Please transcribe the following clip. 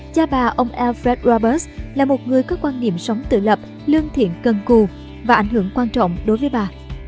cha bà ông alfred wabus là một người có quan niệm sống tự lập lương thiện cân cù và ảnh hưởng quan trọng đối với bà